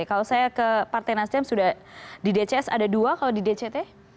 kalau saya ke partai nasdem sudah di dcs ada dua kalau di dct